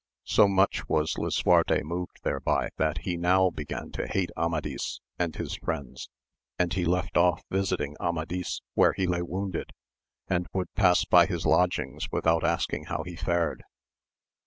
So much was lisuarte moved thereby that he now began to hate Amadis and his friends, and he left ofif visiting Amadis where he lay wounded, and would pass by his lodgings without asking how he fared.